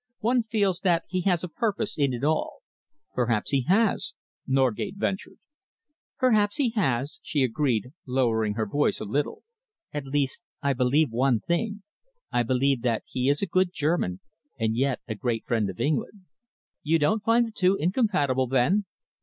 One feels that he has a purpose in it all." "Perhaps he has," Norgate ventured. "Perhaps he has," she agreed, lowering her voice a little. "At least, I believe one thing. I believe that he is a good German and yet a great friend of England." "You don't find the two incompatible, then?"